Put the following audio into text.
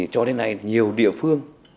cho đến nay nhiều địa phương